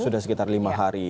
sudah sekitar lima hari